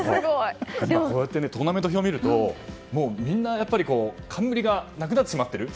トーナメント表を見るとみんな冠がなくなってしまっている。